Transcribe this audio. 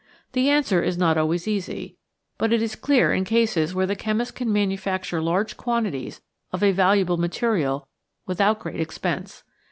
The answer is not always easy, but it is clear in cases where the chemist can manufacture large quantities of a valuable material without great expense.